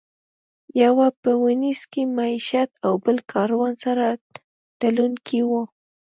یو په وینز کې مېشت او بل کاروان سره تلونکی و.